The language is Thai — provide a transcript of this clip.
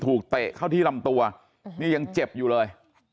เตะเข้าที่ลำตัวนี่ยังเจ็บอยู่เลย